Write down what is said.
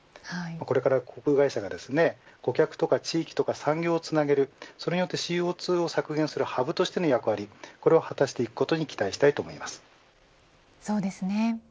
これから航空会社が顧客とか地域とか産業をつなげるそれによってＣＯ２を削減するハブとしての役割を果たしていくことにそうですね。